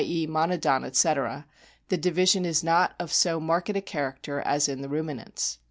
e., Monodon, etc.), the division is not of so marked a character as in the Ruminants.